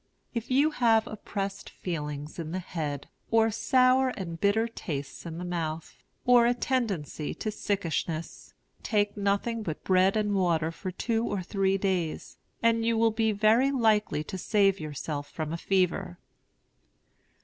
If you have oppressed feelings in the head, or sour and bitter tastes in the mouth, or a tendency to sickishness, take nothing but bread and water for two or three days, and you will be very likely to save yourself from a fever.